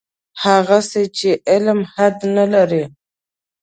هغسې چې علم حد نه لري.